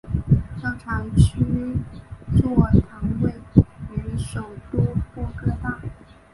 教长区座堂位于首都波哥大。